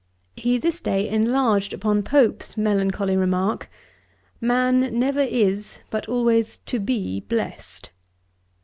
He this day enlarged upon Pope's melancholy remark, 'Man never is, but always to be blest.'